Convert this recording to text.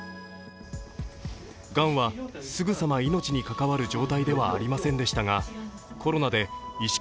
がんはすぐさま、命に関わる状態ではありませんでしたが、コロナで意識